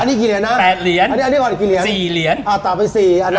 อันนี้กี่เหรียญนะ